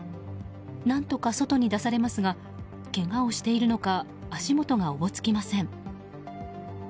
何とか外に出されますがけがをしているのか足元がおぼつきません。